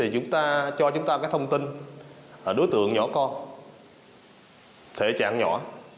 chúng ta cho thông tin đối tượng nhỏ con thể trạng nhỏ